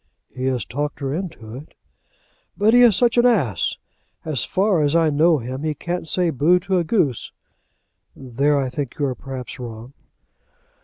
"He has talked her into it." "But he is such an ass. As far as I know him, he can't say Bo! to a goose." "There I think you are perhaps wrong."